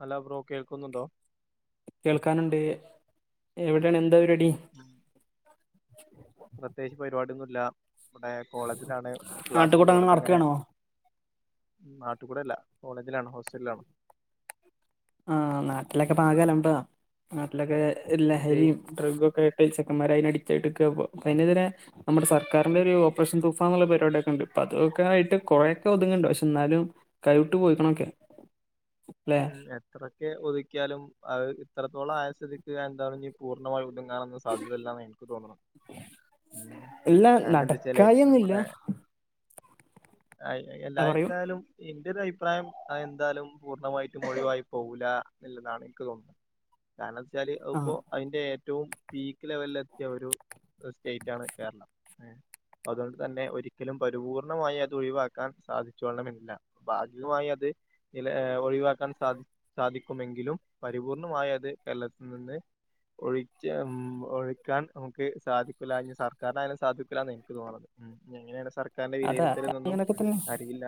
Hello bro കേൾക്കുന്നുണ്ടോ കേൾക്കാനുണ്ട് എവിടെയാണ് എന്താ പരിപാടി [inaudible] പ്രത്യേകിച്ച് പരിപാടിയൊന്നും ഇല്ല ഇബ ടെ കോളേജിലാണ് ക്ലാസ്സില് നാട്ടുകൂടങ്ങനെ വെറുതെങ്ങനെ നടക്കാണോ നാട്ടുകൂടെ അല്ല കോളേജില് ആണ് ഹോസ്റ്റലില് ആണ് ആഹ് നാട്ടിലൊക്കെ പ്പൊ ആകെഅലമ്പ നാട്ടിലൊക്കെ എന്തെയ് ലഹരിയും ഡ്രഗ് ഒക്കെ ആയിട്ട് ചെക്കന്മാര് അതിന് അടിക്ട് ആയിട്ട് നിക്കാപ്പോ അതിന് എതിരെ നമ്മുടെ സർക്കാരിന്റെ ഒരു ഓപ്പറേഷൻ തുഫാന്നുള്ള പരിപാടിയൊക്കെ ഉണ്ട്പ്പൊ അതൊക്കെ ആയിട്ട് കുറേഒക്കെ ഒതുങ്ങുന്നുണ്ട് പക്ഷെ എന്നാലും കൈവിട്ട് പോയിക്ക്‌ണൊക്കെ [inaudible] ഉം എത്രൊക്കെ ഒതുക്കിയാലും അത് ഇത്രത്തോളം ആയ സ്ഥിതിക്ക് എന്താ നി പൂർണമായും ഒതുങ്ങാനൊന്നും സാധ്യതല്ലാന്ന് എനിക്ക് തോന്നുണ് ഉം ഇല്ല കാരണം എന്താച്ചാലേ നടക്കായൊന്നുല്ല നമ്മളെ അയ് എല്ലാ പറയൂ എന്തായാലും എന്റെ ഒരു അഭിപ്രായം എന്താലും പൂർണ്ണമായി ട്ടും ഒഴിവായി പോകൂലാള്ളതാണ് എനിക്ക് തോന്നുന്നത് കാരണംച്ചാല് അത് ആഹ് ഇപ്പോ അതിന്റെ ഏറ്റവും പീക്ക് ലെവലില് എത്തിയ ഒരു സ്റ്റേറ്റ് ആണ് കേരളം അതുകൊണ്ട് തന്നെ ഒരിക്കലും പരിപൂർണമായി അത് ഒഴിവാക്കാൻ സാധിച്ചോണമെന്നില്ല ഭാഗികമായി അത് ചെല ഏഹ് ഒഴിവാക്ക ക്കാൻ സാധി സാധിക്കുമെങ്കിലും പരിപൂർണമായി അത് കേരളത്തിൽ നിന്ന് ഒഴിച്ച് ഉം ഒഴിക്കാൻ നമുക്ക് സാധിക്കൂല്ല ഇഞ്ഞി സർക്കാരിനായാലും സാധിക്കൂല്ല എന്ന് എനിക്ക് തോന്നുന്നത് എങ്ങനെയാണ് സർക്കാരിന്റെ അതാ വിലയിരുത്തലൊന്നും അങ്ങനൊക്കെ തന്നെ അറിയില്ല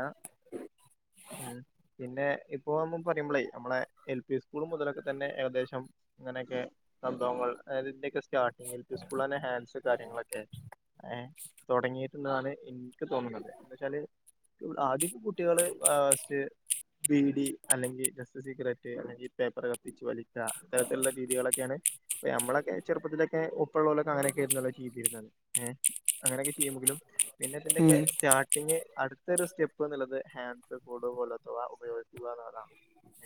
ഉം പിന്നെ ഇപ്പൊ നമ്മ പറയുമ്പളെ നമ്മളെ എൽ പി സ്കൂൾ മുതലൊക്കെ തന്നെ ഏകദേശം അങ്ങനെയൊക്കെ സംഭവങ്ങൾ അതായത് ഇന്റൊക്കെ സ്റ്റാർട്ടിങ് എൽ പി സ്കൂളിലെന്നെ ഹാൻസ് കാര്യങ്ങളൊക്കെ ഏഹ് തൊടങ്ങി ന്നാണ് എനിക്ക് തോന്നണത് എന്താച്ചാല് ആദ്യക്കെ കുട്ടികള് ഏഹ് ഫസ്റ്റ് ബീടി അല്ലെങ്കി ജസ്റ്റ് സീക്രറ്റ് അല്ലെങ്കി പേപ്പർ കത്തിച്ച് വലിക്ക ഇത്തരത്തിലുള്ള രീതികളൊക്കെയാണ് അപ്പ നമ്മളൊക്കെ ചെറുപ്പത്തിലൊക്കെ ഉപ്പ ഉള്ളലൊക്കെ അങ്ങനെയൊക്കെയിന്നല്ലോ ചെയ്തിരുന്നത് ഏഹ് അങ്ങനെയൊക്കെ ചെയ്യുമ്പെങ്കിലും പിന്നെ ഇതിന്റെക്കെ ഉം സ്റ്റാർ ഇങ്ങ് അടുത്തൊരു സ്റ്റെപ്പ്ന്നുള്ളത് ഹാൻസ് കൂള് പോലോത്തവ ഉപയോഗിക്കുകന്നുള്ളതാണ്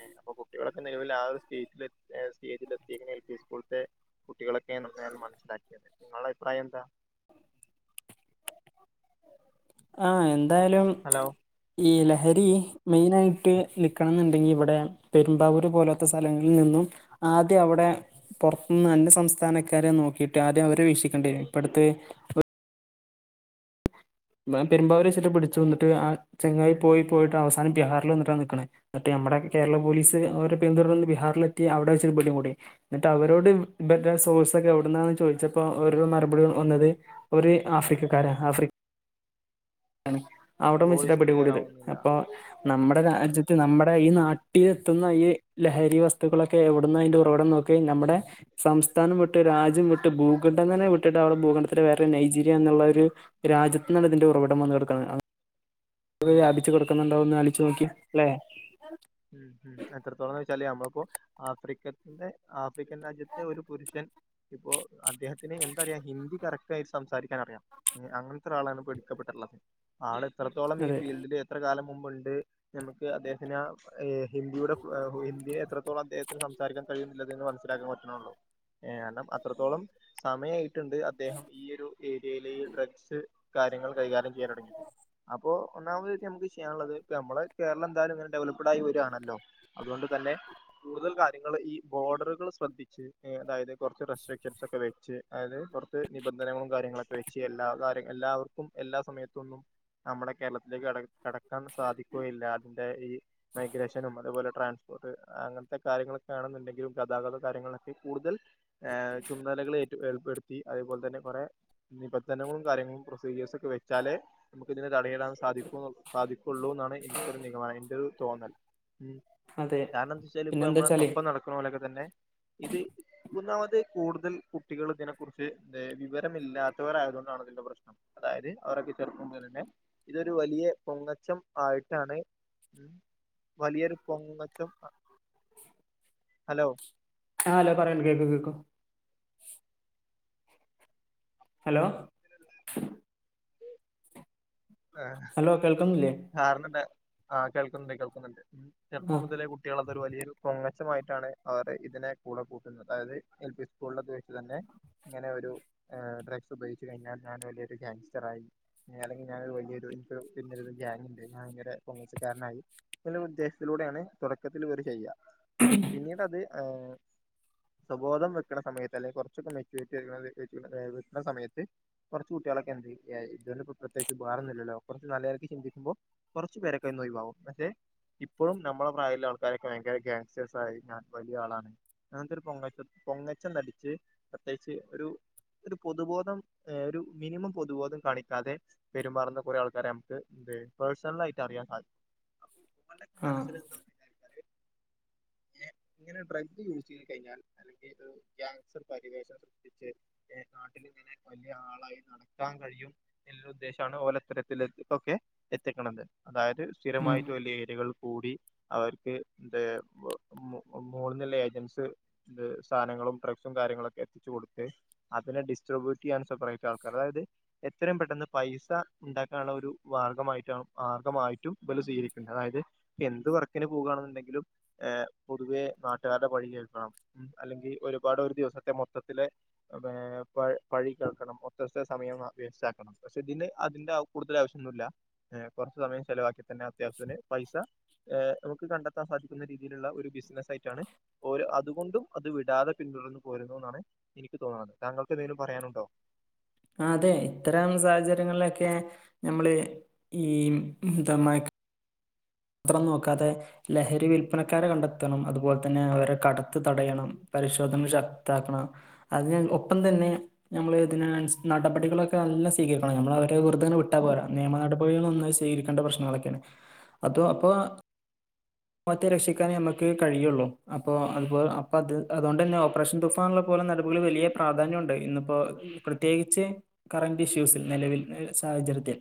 ഏഹ് അപ്പൊ കുട്ടികളൊക്കെ നിലവില് ആഹ് ഒരു സ്റ്റേറ്റിൽ എത സ്റ്റേജിൽ എത്തി എൽ പി സ്കൂൾത്തെ കുട്ടികളൊക്കെ ന നാൻ മനസ്സിലാക്കിയത് നിങ്ങളുടെ അഭിപ്രായം എന്താ ആഹ് എന്തായാലും ഹലോ ഈ ലഹരി മെയിനായിട്ട് നിക്കണന്നുണ്ടെങ്കി ഇവടെ പെരുമ്പാവൂര് പോലോത്ത സ്ഥലങ്ങളിൽ നിന്നും ആദ്യം അവ്ടെ പൊറത്തുന്ന് അന്യ സംസ്ഥാനക്കാരെ നോക്കിയിട്ട് ആദ്യം അവരെ വീക്ഷിക്കേണ്ടി വരും ഇപ്പടുത്ത് ഓ പെരുമ്പാവൂരച്ചിട്ട് പിടിച്ചു എന്നിട്ട് ആഹ് ചങ്ങായി പോയി പോയിട്ട് അവസാനം ജഹാറിൽ വന്നിട്ടാ നിക്കണേ ന്നട്ട് നമ്മടെ കേരള പോലീസ് അവരെ പിന്തുടന്ന് ബിഹാറിലെത്തി അവിടെ വച്ചിട്ട് പിടികൂടി എന്നിട്ട് അവരോട് ഇവരുടെ സോഴ്സൊക്കെ എവിടുന്നാന്ന് ചോദിച്ചപ്പോ അവരുടെ മറുപടി വന്നത് ഒര് ആഫ്രിക്കക്കാര ആഫ്രി അവിടം വെച്ചിട്ടാ വോയിസ് ക്ലിയർ പിടികൂടിയത് ആവുന്നില്ല അപ്പൊ നമ്മുടെ രാജ്യത്ത് നമ്മുടെ ഈ നാട്ടിലെത്തുന്ന ഈ ലഹരി വസ്തുക്കളൊക്കെ എവിടുന്ന അയിന്റെ ഉറവിടം നോ ക്കിയാൽ നമ്മുടെ സംസ്ഥാനം വിട്ട് രാജ്യം വിട്ട് ഭൂഖണ്ഡം തന്നെ വിട്ടിട്ട് അവടെ ഭൂഖണ്ഡത്തിലെ വേറെ നൈജീരിയ എന്നുള്ള ഒരു രാജ്യത്ത്ന്നാണ് ഇതിന്റെ ഉറവി ടം വന്ന് കെടക്കണത് പോ ഉം വ്യാപിച്ചു കെടക്കുന്നുണ്ടാവുന്ന് ആലോയിച് നോക്കിയെ അല്ലെ ഉം ഉം എത്രത്തോളംന്ന് വെച്ചാല് നമ്മളിപ്പോ ആഫ്രിക്കത്തിന്റെ ആഫ്രിക്കൻ രാജ്യത്തെ ഒരു പുരുഷൻ ഇപ്പോ അദ്ദേഹത്തിന് എന്താ അറിയാം ഹിന്ദി കറക് റ്റായി സംസാരിക്കാനറിയാം അങ്ങനത്തെ ഒരാളാണ് പിടിക്കപ്പെട്ടുള്ളത് ആള് എത്രത്തോളം ഈ അതെ ഫീൽഡില് എത്രകാലം മുമ്പുണ്ട് എന്നൊക്കെ അദ്ദേഹത്തിനാ ഏഹ് ഹിന്ദിയുടെ ഏഹ് ഹിന്ദി എത്രത്തോളം അദ്ദേഹത്തിന് സംസാരിക്കാൻ കഴിയുന്നില്ലത് അതിന്ന് മനസ്സിലാക്കാൻ പറ്റ്ണൊള്ളൂ. ഏഹ് രണം അത്രത്തോളം സമയായിട്ടുണ്ട് അദ്ദേഹം ഈയൊരു ഏരിയയിലെ ഈ ഡ്രഗ്സ് കാര്യങ്ങൾ കൈകാര്യം ചെയ്യാൻ തൊടങ്ങിട്ട് അപ്പോ ഒന്നാമതയിട്ട് നമുക്ക് ചെയ്യാനുള്ളത് ഇപ്പ നമ്മള് കേരളം എന്തായാലും ഇങ്ങനെ ഡെവലപഡ് ആയി വരാണല്ലോ അതോണ്ട് തന്നെ കൂടുതൽ കാര്യങ്ങള് ഈ ബോർഡറുകൾ ശ്രദ്ധിച്ച് അതായത് കുറച്ച് റെസ്ട്രിക്ഷൻസ് ഒക്കെ വെച്ച് അതായത് പൊറത്ത് നിബന്ധനകളും കാര്യങ്ങളൊക്കെ വെച്ച് എല്ലാ കാര്യങ്ങ എല്ലാവർക്കും എല്ലാ സമയത്തൊന്നും നമ്മുടെ കേരളത്തിലേക്ക് കട കടക്കാൻ സാധിക്കുകയില്ല അതിന്റെ ഈ മൈഗ്രേഷനും അതേപോലെ ട്രാൻസ്പോർട്ട് അങ്ങനത്തെ കാര്യങ്ങളൊക്കെ ആണെന്നുണ്ടെങ്കിലും ഗതാഗത കാര്യങ്ങളൊക്കെ കൂടുതൽ ഏഹ് ചുമതലകളേറ്റ് ഏർപ്പെടുത്തി അതേപോലെ തന്നെ കൊറെ നിബന്ധനങ്ങളും കാര്യങ്ങളും പ്രൊസീജിയേഴസ് ഒക്കെ വെച്ചാലെ നമുക്ക് ഇതിനെ തടയിടാ സാധിക്കു സാധിക്കുള്ളൂന്നാണ് എനിക്കൊരു നിഗമനം എന്റെരു തോന്നൽ ഉം അതെ കാരണം എന്താച്ചാല് പിന്നെ ഇപ്പൊ എന്താ നമ്മളെ വെച്ചാല് ഒപ്പം നടക്കണലൊക്കെ തന്നെ ഇത് ഒന്നാമത് കൂടുതൽ കുട്ടികൾ ഇതിനെ കുറിച്ച് ഏഹ് വിവരമില്ലാത്തവരായത് കൊണ്ടാണ് അതിന്റെ പ്രശ്നം. അതായത് അവരൊക്കെ ചെറുപ്പം മുതലെന്നെ ഇതൊരു വലിയ പൊങ്ങച്ചം ആയിട്ടാണ് ഉം വലിയൊരു പൊങ്ങച്ചം ഹലോ ആഹ് ഹലോ പറയണ് കേക്കും കേക്കും ഹലോ ആഹ് ഹലോ കേൾക്കുന്നില്ലേ കാരണണ്ട് ആഹ് കേൾക്കുന്നുണ്ട് കേൾക്കുന്നുണ്ട് ആ ചെർപ്പോം മുതലേ കു കുട്ടികൾ അതൊരു വലിയൊരു പൊങ്ങച്ചമായിട്ടാണ് അവർ ഇതിനെ കൂടെ കൂട്ടുന്നത് അതായത് എൽ പി സ്കൂളിലൊക്കെ ത് തന്നെ ഇങ്ങനെ ഒരു ഡ്രഗ്സ് ഉപയോഗിച്ച് കഴിഞ്ഞാൽ ഞാൻ വല്യൊരു ഗാസ്റ്ററായി അല്ലെങ്കിൽ ഞാന് വല്യൊരു എനിക്ക് പിന്നെരു ഗാങ് ഇണ്ട് ഭയങ്കര പൊങ്ങച്ചക്കാരനായി [unintelligible] ഉദ്ദേശത്തിലൂടെയാണ് തൊടക്കത്തിലിവര് ചെയ്യാ ഉം പിന്നീടത് ആഹ് സോബോധം വെക്കണ സമയത്ത് അല്ലെ കൊറച്ചൊക്കെ മെച്യൂരിറ്റി [unintelligible] വെക്കണ സമയത്ത് കൊറച്ച് കുട്ടികളൊക്കെ എന്ത് ചെയ്യും ഇതോണ്ട് ഇപ്പോ പ്രത്യേകിച്ച് ഉപകാരം ഒന്നുവില്ലല്ലോ കൊറച്ച് നല്ലരക്ക് ചിന്തി ക്കുമ്പം കൊറച്ചു പേരൊക്കെ ഒന്ന് ഒഴിവാകും പഷേ ഇപ്പഴും നമ്മടെ പ്രായള്ള ആൾക്കാരൊക്കെ ഭയങ്കര ഗാങ്സ്റ്റേഴ്സ് ആയി ഞാൻ വലിയ ആളാണ് അങ്ങനത്തെ ഒരു പൊങ്ങച്ചം പൊങ്ങച്ചം നടിച്ച് പ്രത്യേകിച്ച് ഒരു ഒരു പൊതുബോധം ഏഹ് ഒരു മിനിമം പൊതുബോധം കാണിക്കാതെ പെരുമാറുന്ന കൊറേ ആൾക്കാരെ നമുക്ക് എന്ത് പേഴ്സണാലായിട്ട് അറിയാൻ സാധിക്കും [inaudible] ആഹ് [unintelligible] ഇങ്ങനെ ഡ്രഗ്സ് യൂസ് ചെയ്ത് കഴിഞ്ഞാൽ അല്ലെങ്കിൽ ഗാസ്റ്റർ പരിവേഷം വെച്ച് നാട്ടിലിങ്ങനെ വലിയ ആളായി നടക്കാൻ കഴിയും എല്ലോ ഉദ്ദേശവാണ് ഓലത്തരത്തില് ഇപ്പോക്കെ എത്തിക്കണത് അതായത് ഉം സ്ഥിരമായിട്ട് വല്യ ഏരിയകളിൽ കൂടി അവർക്ക് എന്ത്‌ മോ മോള്ന്നുള്ള ഏജൻസ് എന്ത് സാധനങ്ങളും ഡ്രഗ്സും കാര്യങ്ങളക്കെ എത്തിച്ചു കൊടുത്ത് അതിനെ ഡിസ്ട്രിബ്യൂട്ട് ചെയ്യാൻ സെപെ റേറ്റാൾക്കാര് അതായത് എത്രേം പെട്ടെന്ന് പൈസ ഇണ്ടാക്കാനുള്ള ഒരു മാർഗമായിട്ടാണ് മാർഗമായിട്ടും ഇപ്പലും സ്വീകരിക്കണ്ട് അതായത് എന്ത് വർക്കിന് പോകുകാന്നോണ്ടെങ്കിലും ഏഹ് പൊതുവെ നാട്ടുകാരുടെ പഴി കേൾക്കണം ഉം അല്ലെങ്കി ഒരുപാട് ഒരു ദിവസത്തെ മൊത്തത്തിലെ ഏഹ് ബേ പഴി കേൾക്കണം ഒത്തസ്ഥ സമയം വേസ്റ്റ് ആക്കണം പഷേ ഇതിന് അതിന്റെ കൂടുതൽ ആവശ്യം ഒന്നുല്ല കൊറച്ച് സമയം ചെലവാക്കി തന്നെ അത്യാവശ്യത്തിന് പൈസ ഏഹ് നമുക്ക് കണ്ടെത്താൻ സാധിക്കുന്ന രീതിലുള്ള ഒരു ബിസിനസ് ആയിറ്റാണ് ഓര് അതുകൊണ്ടും അത് വിടാതെ പിന്തുടർന്ന് പോരുന്നു ന്നാണ് എനിക്ക് തോന്നണത് താങ്കൾക്ക് എന്തേലും പറയാനുണ്ടോ അതെ ഇത്തരം സാഹചര്യങ്ങളിലൊക്കെ നമ്മള് ഈ എന്താ മയക്ക് ത്രം നോക്കാതെ ലഹരി വില്പനക്കാരെ കണ്ടെത്തണം അതുപോലെ തന്നെ അവരെ കടത്തു തടയണം പരിശോധന ശക്താക്കണം അതിന് ഒപ്പം തന്നെ ഞമ്മള് ഇതിന് നടപടികളൊക്കെ നല്ല സ് സ്വീകരിക്കണം നമ്മള് അവരെ വെറുതെ ഇങ്ങനെ വിട്ടാ പോരാ നിയമ നടപടികളൊന്ന് സ്വീകരിക്കേണ്ട പ്രശ്നങ്ങളൊക്കെയാണ് അതും അപ്പോ [inaudible] വത്തെ രക്ഷിക്കാനെ നമുക്ക് കഴിയുള്ളു അപ്പോ അ അപ്പ അത് അതുകൊണ്ട് തന്നെ ഓപ്പറേഷൻ തു ഫാൻള്ള പോലെ നടപടികൾ വലിയ പ്രാധാന്യൊണ്ട് ഇന്നിപ്പോ പ്രത്യേകിച്ച് കറന്റ് ഇഷ്യൂസിൽ നെലവിൽ സാഹചര്യത്തിൽ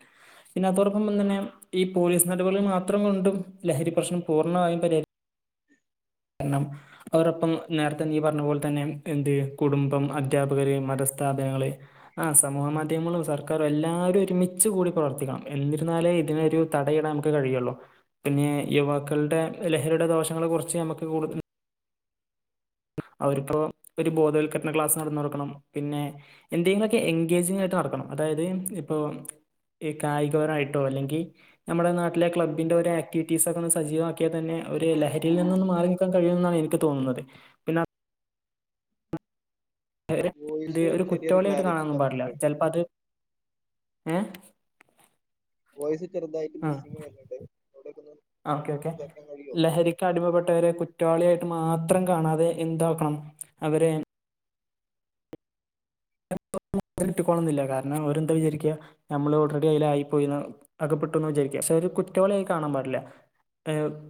പിന്നെ അതോടൊപ്പം തന്നെ ഈ പോലീസ് നടപടികൾ മാത്രം കൊണ്ടും ലഹരി പ്രശ്നം പൂർണ്ണമായും പരിഹരി ക്കണം അവരൊപ്പം നേരത്തെ നീ പറഞ്ഞ പോലെ തന്നെ എന്ത് കുടുംബം, അദ്ധ്യാപകര്, മതസ്ഥാപനങ്ങള് ആഹ് സമൂഹ മാധ്യമങ്ങളും സർക്കാരും എല്ലാവരും ഒരുമിച്ച് കൂടി പ്രവർത്തിക്കണം എന്നിരുന്നാലെ ഇതിനൊരു തടയിടാൻ നമുക്ക് കഴിയുള്ളൂ പിന്നെ യുവാക്കളുടെ ലഹരിയുടെ ദോഷങ്ങളെ കുറിച്ച് നമുക്ക് കൂടുതല് അവരിപ്പോ ഒരു ബോധവൽക്കരണ ക്ലാസ് നടന്നൊടുക്കണം പിന്നെ എന്തെങ്കിലോക്കെ എൻഗേജിങ് ആയിട്ട് നടക്കണം അതായത് ഇപ്പോം ഈ കായികപരായിട്ടോ അല്ലെങ്കി നമ്മുടെ നാട്ടിലെ ക്ലബിന്റെ ഒര് ആക്ടിവിറ്റീസ് ഒക്കെയൊന്ന് സജീവാക്കിയാ തന്നെ ഒരു ലഹരിൽ നിന്നൊന്ന് മാറി നിക്കാൻ കഴിയുമെന്നാണ് എനിക്ക് തോന്നുന്നത് പിന്നെ ഇവരെ എന്ത് വോയിസ് ഒരു ചെറിയൊരു കുറ്റവാളിയായിട്ട് ക്ലാരിറ്റി കാണാനൊന്നും പാടില്ല കമ്മിയുണ്ട് ചെലപ്പോ അത് ഏഹ് വോസ് ചെറുതായിട്ട് ആ മിസ്സിംഗ്‌ വരുന്നുണ്ട് അവിടെക്കൊന്ന് ഓക്കെ നോക്കി ഓക്കെ സംസാരിക്കാൻ കഴിയുമോ ലഹരിക്ക് അടിമപ്പെട്ടവരെ കുറ്റവാളിയായിട്ട് മാത്രം കാണാതെ എന്താക്കണം അവരെ കിട്ടിക്കോണം എന്നില്ല കാരണം അവന്താ വിചാരിക്കുക നമ്മള് ഓൾറെഡി അതിൽ ആയി പോയി എന്നാ- അകപ്പെട്ടു എന്ന് വിചാരിക്കുക പക്ഷെ ഒരു കുറ്റവാളിയ കാണാൻ പാടില്ല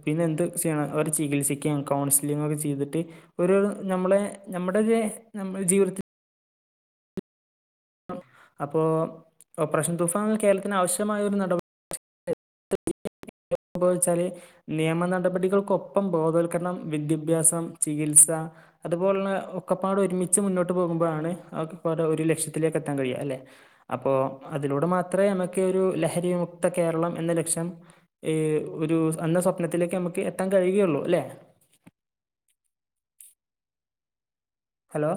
പിന്നെ എന്ത്‌ ചെയ്യണം അവർ ചികിത്സിക്കാം കൗൺസിലിങ്ങൊക്കെ ചെയ്തിട്ട് ഒരു നമ്മളെ നമ്മുടെ ല്ലെ നമ്മളെ ജീവിതത്തിൽ അപ്പോ ഓപ്പറേഷൻ തൂഫാൻ കേരളത്തിന് ആവശ്യമായ ഒരു നടപടി- [unintelligible] എപ്പോന്ന് വെച്ചാല് നിയമ നടടപടികൾക്കൊപ്പം ബോധവൽക്കരണം വിദ്യാഭ്യാസം ചികിത്സ അതുപോലെ ഉള്ള ഒക്കപ്പാട് ഒരുമിച്ച് മുന്നോട്ട് പോകുമ്പോഴാണ് അവക്ക് ഇപ്പംഒരു ലക്ഷ്യത്തിലേക്ക് എത്താൻ കഴിയുക അല്ലെ അപ്പോൾ അതിലൂടെ മാത്രമേ നമുക്ക് ഒരു ലഹരിവിമുക്ത കേരളം എന്ന ലക്ഷ്യം ഈ ഒരു എന്ന സ്വപ്നത്തിലേക്ക് നമുക്ക് എത്താൻ കഴിയുകയുള്ളു അല്ലെ ഹലോ